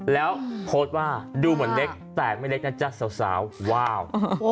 แล้วโพสต์ว่าดูเหมือนเล็กแต่ไม่เล็กนะจ๊ะสาวว้าว